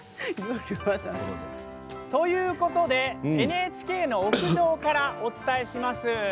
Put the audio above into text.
ということでＮＨＫの屋上からお伝えします。